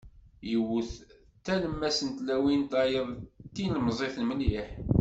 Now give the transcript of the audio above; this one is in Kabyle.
Yiwet d talemmast n tlawin, tayeḍt d tilmẓit mliḥ.